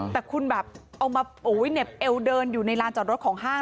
แต่คุณแบบเอามาเหน็บเอวเดินอยู่ในลานจอดรถของห้าง